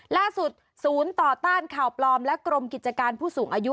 ล่าสุดศูนย์ต่อต้านข่าวปลอมและกรมกิจการผู้สูงอายุ